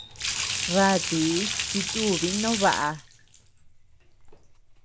Rátii jitubi no baʼa.